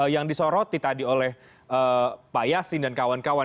yang disoroti tadi oleh pak yasin dan kawan kawan